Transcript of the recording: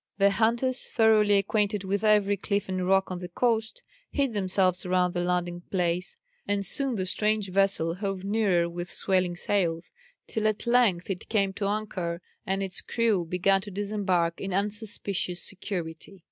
The hunters, thoroughly acquainted with every cliff and rock on the coast, hid themselves round the landing place; and soon the strange vessel hove nearer with swelling sails, till at length it came to anchor, and its crew began to disembark in unsuspicious security.